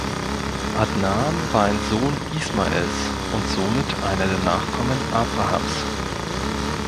Adnan war ein Sohn Ismaels und somit einer der Nachkommen Abrahams.